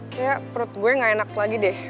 kayak perut gue gak enak lagi deh